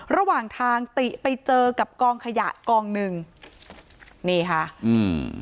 ระหว่างทางติไปเจอกับกองขยะกองหนึ่งนี่ค่ะอืม